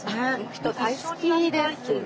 人大好きですね。